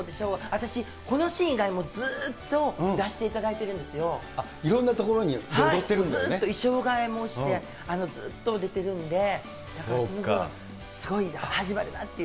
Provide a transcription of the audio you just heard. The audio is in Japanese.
私、このシーン以外もずっと出しいろんな所に、踊ってるんだ衣装替えもして、ずっと出てるんで、だからその分、すごい、始まるなっていう。